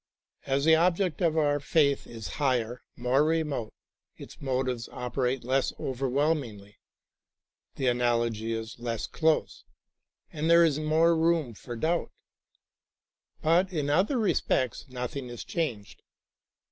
As the object of our faith is higher, more remote, its motives operate less overwhelmingly, the analogy is less close, and there is more room for doubt, but in other respects nothing is changed.